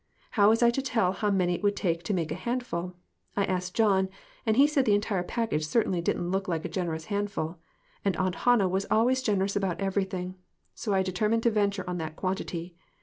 How was I to tell how many it would take to make a handful ? I asked John, and he said the entire package certainly didn't look like a generous handful, and Aunt Hannah was always generous about everything. So I determined to venture on that quantity.